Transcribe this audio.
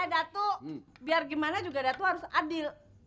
datu biar gimana juga datu harus adil